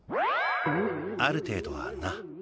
ある程度はな。